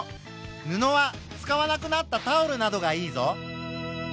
布は使わなくなったタオルなどがいいぞ。